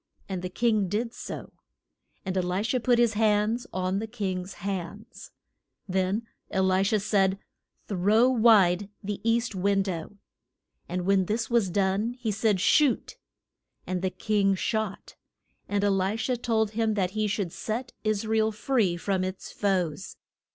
And the king did so, and E li sha put his hands on the king's hands. Then E li sha said, Throw wide the east win dow. And when this was done he said shoot. And the king shot; and E li sha told him that he should set Is ra el free from its foes.